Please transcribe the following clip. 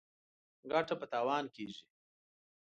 ګټه په تاوان کېږي.